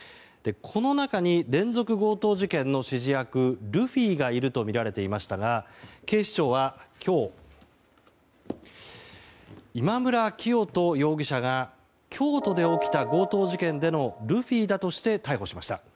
この中に、連続強盗事件の指示役ルフィがいるとみられていましたが警視庁は今日、今村磨人容疑者が京都で起きた強盗事件でのルフィだとして逮捕しました。